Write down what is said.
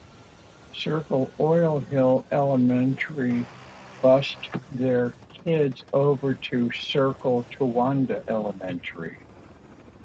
Circle Oil Hill Elementary bused their kids over to Circle Towanda Elementary for classes.